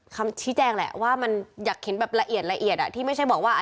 คำชี้แจงแหละว่ามันอยากเห็นแบบละเอียดละเอียดที่ไม่ใช่บอกว่า